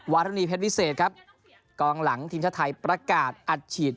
รณีเพชรวิเศษครับกองหลังทีมชาติไทยประกาศอัดฉีด